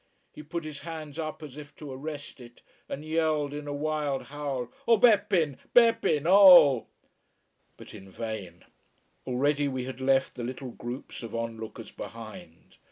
He put his hands up as if to arrest it, and yelled in a wild howl: "O Beppin'! Bepp_in_ O!" But in vain. Already we had left the little groups of onlookers behind.